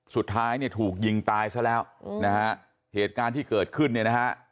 สุดท้ายเนี่ยถูกยิงตายซะแล้วนะฮะเหตุการณ์ที่เกิดขึ้นเนี่ยนะฮะ